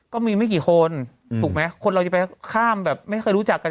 ก็มีไม่กี่คนถูกไหมคนเราจะไปข้ามแบบไม่เคยรู้จักกัน